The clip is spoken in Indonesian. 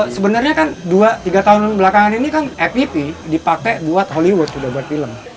sebenernya kan dua tiga tahun belakangan ini kan mvp dipake buat hollywood udah buat film